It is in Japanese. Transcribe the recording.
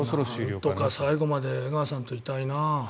なんとか最後まで江川さんといたいな。